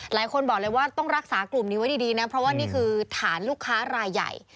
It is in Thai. หลายคนบอกเลยว่าต้องรักษากลุ่มนี้ไว้ดีนะเพราะว่านี่คือฐานลูกค้ารายใหญ่